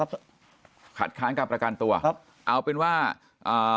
กับประการตัวครับขัดค้างกับประการตัวครับครับเอาเป็นว่าเอ่อ